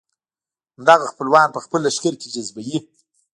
همدغه خپلوان په خپل لښکر کې جذبوي.